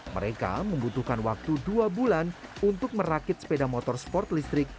mereka membutuhkan waktu dua bulan untuk merakit sepeda motor sport listrik